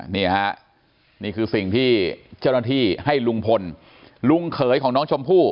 นี่ฮะนี่คือสิ่งที่เจ้าหน้าที่ให้ลุงพลลุงเขยของน้องชมพู่